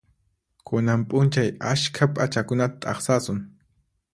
Kunan p'unchay askha p'achakunata t'aqsasun.